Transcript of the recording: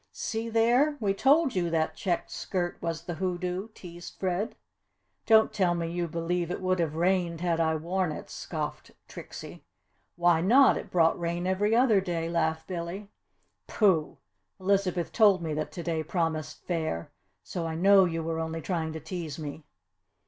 "See there! We told you that checked skirt was the hoodoo," teased Fred. "Don't tell me you believe it would have rained had I worn it?" scoffed Trixie. "Why not? It brought rain every other day!" laughed Billy. "Pooh! Elizabeth told me that to day promised fair, so I know you were only trying to tease me."